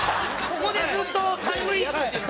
ここでずっとタイムリープしてる。